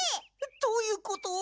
どういうこと？